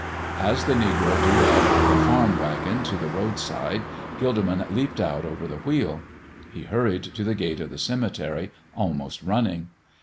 As the negro drew up the farm wagon to the road side, Gilderman leaped out over the wheel. He hurried to the gate of the cemetery, almost running.